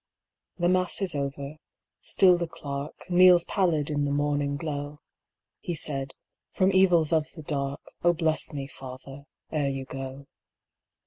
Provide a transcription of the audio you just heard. The Mass is over—still the clerk Kneels pallid in the morning glow. He said, "From evils of the dark Oh, bless me, father, ere you go.